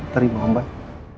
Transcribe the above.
terima om baik